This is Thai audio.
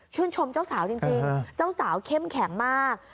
ชมเจ้าสาวจริงเจ้าสาวเข้มแข็งมาก